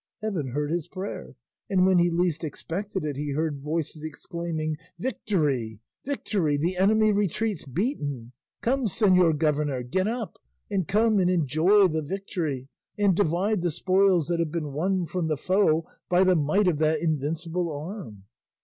Heaven heard his prayer, and when he least expected it he heard voices exclaiming, "Victory, victory! The enemy retreats beaten! Come, señor governor, get up, and come and enjoy the victory, and divide the spoils that have been won from the foe by the might of that invincible arm."